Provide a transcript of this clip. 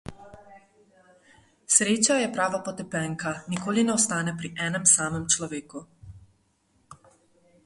Sreča je prava potepenka; nikoli ne ostane pri enem samem človeku.